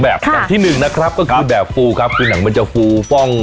แบบที่๑นะครับก็คือแบบฟูครับหนังมันจะฟูฟ่อง